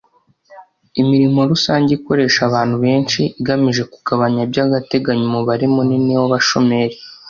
imirimo rusange ikoresha abantu benshi igamije kugabanya by'agateganyo umubare munini w'abashomeri,